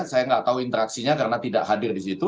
saya gak tau interaksinya karena tidak hadir di situ